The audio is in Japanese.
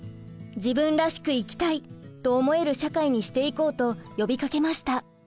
「自分らしく生きたい！」と思える社会にしていこうと呼びかけました。